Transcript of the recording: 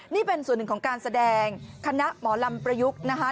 นี่เป็นส่วนหนึ่งของการแสดงคณะหมอลำประยุกต์นะคะ